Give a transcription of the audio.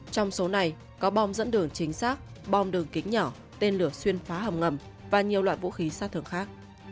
trong số này có bom dẫn đường chính xác bom đường kính nhỏ tên lửa xuyên phá hầm ngầm và nhiều loại vũ khí sát thường khác